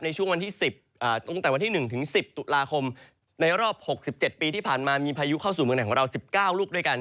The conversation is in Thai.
ตั้งแต่วันที่๑ถึง๑๐ตุลาคมในรอบ๖๗ปีที่ผ่านมามีพายุเข้าสู่เมืองไทยของเรา๑๙ลูกด้วยกัน